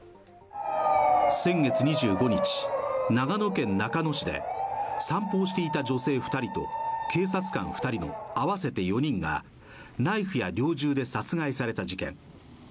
先月２５日、長野県中野市で散歩をしていた女性２人と警察官２人の合わせて４人がナイフや猟銃で殺害された事件。